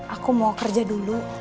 aku mau kerja dulu